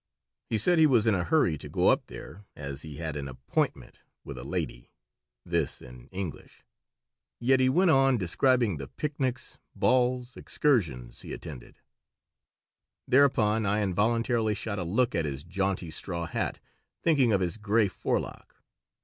He said he was in a hurry to go up there, as he had "an appointment with a lady" (this in English), yet he went on describing the picnics, balls, excursions he attended Thereupon I involuntarily shot a look at his jaunty straw hat, thinking of his gray forelock.